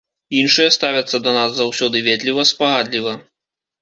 Іншыя ставяцца да нас заўсёды ветліва, спагадліва.